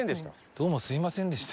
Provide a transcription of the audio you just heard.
「どうもすみませんでした」